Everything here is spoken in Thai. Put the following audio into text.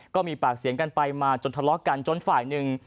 ก็มีปากเสียงกันไปมาจนทะเลาะกันจนฝ่ายหนึ่ง